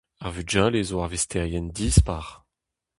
Ar vugale zo arvesterien dispar.